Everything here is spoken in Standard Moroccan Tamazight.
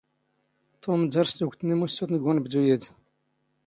ⵜⵓⵎ ⴷⴰⵔⵙ ⵜⵓⴳⵜ ⵏ ⵉⵎⵓⵙⵙⵓⵜⵏ ⴳ ⵓⵏⴱⴷⵓ ⴰⴷ.